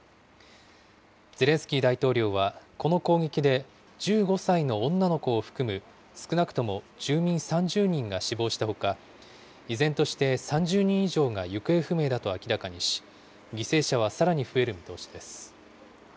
ゼレンスキー大統領は、この攻撃で１５歳の女の子を含む少なくとも住民３０人が死亡したほか、依然として３０人以上が行方不明だと明らかにし、犠牲者はさらに増える見通しです。